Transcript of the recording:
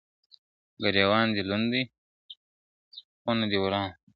ګرېوان دي لوند دی خونه دي ورانه !.